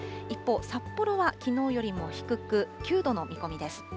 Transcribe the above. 一方、札幌はきのうよりも低く、９度の見込みです。